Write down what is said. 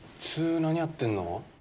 何やってんの？